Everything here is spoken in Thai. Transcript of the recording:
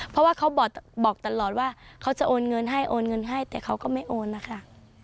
เพราะว่าเขาบอกตลอดว่าเขาจะโอนเงินให้โอนเงินให้แต่เขาก็ไม่โอนนะคะ